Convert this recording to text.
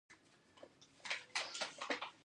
ژبه په لوست قوي کېږي.